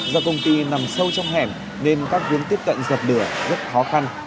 do công ty nằm sâu trong hẻm nên các vướng tiếp cận dập lửa rất khó khăn